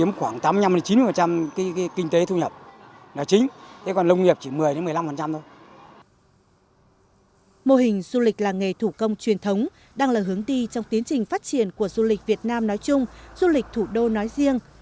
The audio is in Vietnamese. mô hình du lịch làng nghề thủ công truyền thống đang là hướng đi trong tiến trình phát triển của du lịch việt nam nói chung du lịch thủ đô nói riêng